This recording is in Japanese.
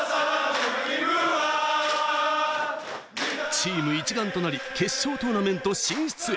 チーム一丸となり、決勝トーナメント進出へ。